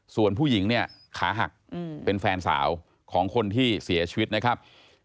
ส่วนผู้หญิงเนี่ยขาหักเป็นแฟนสาวของคนที่เสียชีวิตนะครับ